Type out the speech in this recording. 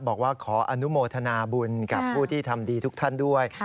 บอกว่าขออนุโมทนาบุญกับผู้ที่ทำดีทุกท่านด้วย